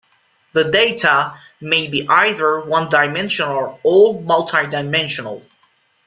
The data may be either one-dimensional or multi-dimensional.